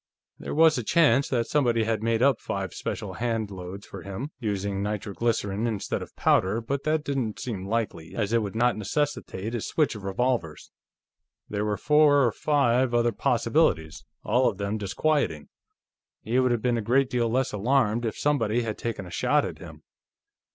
There was a chance that somebody had made up five special hand loads for him, using nitroglycerin instead of powder, but that didn't seem likely, as it would not necessitate a switch of revolvers. There were four or five other possibilities, all of them disquieting; he would have been a great deal less alarmed if somebody had taken a shot at him.